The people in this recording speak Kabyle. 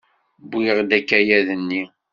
Wwiɣ-d akayad-nni.